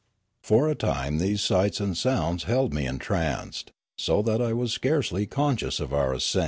For a time these sights and sounds held me en tranced, so that I was scarcely conscious of our ascent.